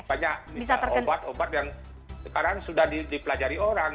banyak obat obat yang sekarang sudah dipelajari orang